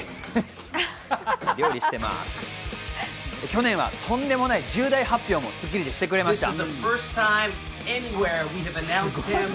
去年はとんでもない重大発表も『スッキリ』でしてくれました。